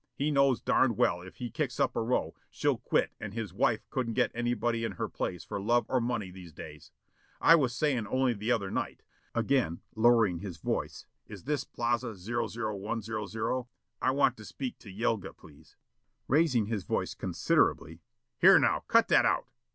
He knows darned well if he kicks up a row, she'll quit and his wife couldn't get anybody in her place for love or money these days. I was sayin' only the other night " Again lowering his voice: "Is this Plaza 00100? ... I want to speak to Yilga, please." ... Raising his voice considerably: "Here, now, cut that out!